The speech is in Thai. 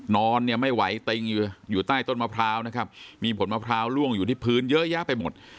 นอนเนี่ยไม่ไหวติงอยู่ใต้ต้นมะพร้าวนะครับมีผลมะพร้าวล่วงอยู่ที่พื้นเยอะแยะไปหมด